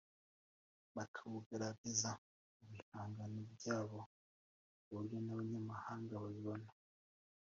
bakawugaragaza mu bihangano byabo kuburyo n’abanyamahanga babibona,